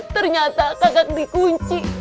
ternyata kagak dikunci